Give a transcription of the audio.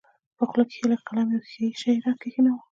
په خوله کښې يې لکه قلم يو ښيښه يي شى راکښېښوو.